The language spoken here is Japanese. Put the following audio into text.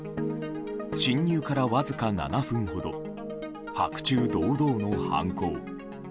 侵入からわずか７分ほど白昼堂々の犯行。